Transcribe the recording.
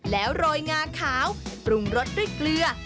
แล้วโรยงาขาวปรุงรสด้วยเกลือ